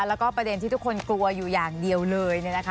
แล้วก็ประเด็นที่ทุกคนกลัวอยู่อย่างเดียวเลย